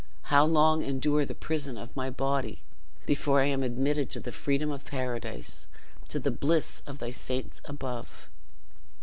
How long endure the prison of my body, before I am admitted to the freedom of Paradise, to the bliss of thy saints above?'"